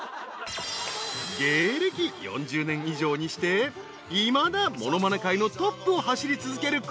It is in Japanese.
［芸歴４０年以上にしていまだ物まね界のトップを走り続ける］